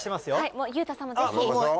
裕太さんもぜひ。